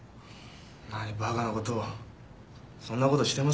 何バカな事をそんな事してませんよ。